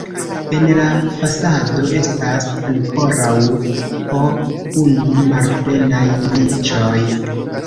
En la fasado estas ankoraŭ po unu malplenaj niĉoj.